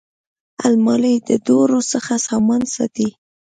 الماري د دوړو څخه سامان ساتي